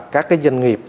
các cái doanh nghiệp